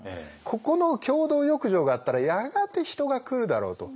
ここの共同浴場があったらやがて人が来るだろうと。